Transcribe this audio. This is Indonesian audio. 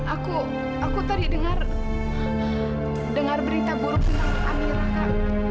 aku aku tadi dengar dengar berita buruk tentang amirah kak